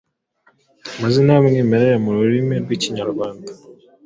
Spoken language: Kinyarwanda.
Amazina y’umwimerere mu rurimi rwikinyarwanda,